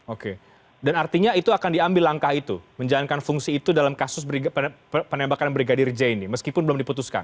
oke dan artinya itu akan diambil langkah itu menjalankan fungsi itu dalam kasus penembakan brigadir j ini meskipun belum diputuskan